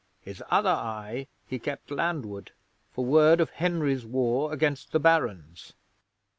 His other eye he kept landward for word of Henry's war against the Barons.